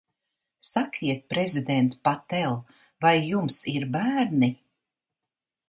Sakiet, prezident Patel, vai jums ir bērni?